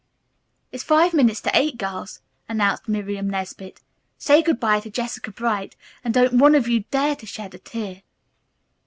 "It's five minutes to eight, girls," announced Miriam Nesbit. "Say good bye to Jessica Bright, and don't one of you dare to shed a tear."